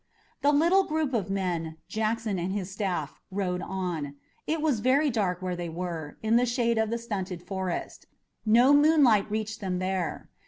The little group of men, Jackson and his staff, rode on. It was very dark where they were, in the shade of the stunted forest. No moonlight reached them there.